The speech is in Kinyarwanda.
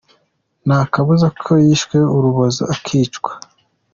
"Nta kabuza ko yishwe urubozo akicwa".